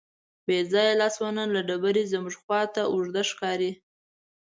بېځانه لاسونه له ډبرې زموږ خواته اوږده ښکاري.